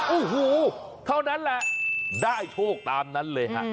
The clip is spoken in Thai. โอ้โหเท่านั้นแหละได้โชคตามนั้นเลยฮะ